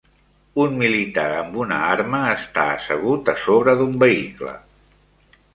Un militar amb una arma està assegut a sobre d'un vehicle.